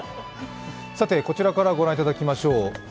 さて、こちらからご覧いただきましょう。